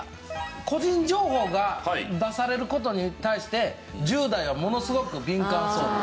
個人情報が出される事に対して１０代はものすごく敏感そう。